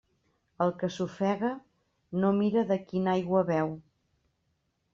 El que s'ofega no mira de quina aigua beu.